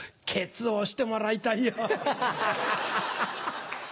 ケツ押してもらいたいよ。